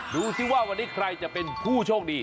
ดูสิว่าวันนี้ใครจะเป็นผู้โชคดี